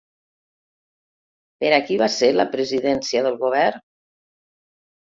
Per a qui va ser la presidència del govern?